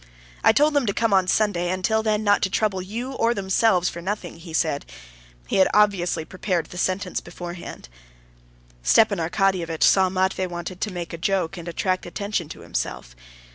"I told them to come on Sunday, and till then not to trouble you or themselves for nothing," he said. He had obviously prepared the sentence beforehand. Stepan Arkadyevitch saw Matvey wanted to make a joke and attract attention to himself.